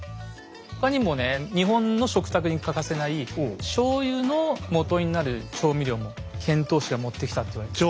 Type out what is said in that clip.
他にもね日本の食卓に欠かせないしょうゆのもとになる調味料も遣唐使が持ってきたと言われてますね。